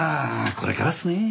これからっすね。